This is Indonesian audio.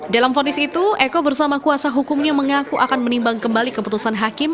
dalam fonis itu eko bersama kuasa hukumnya mengaku akan menimbang kembali keputusan hakim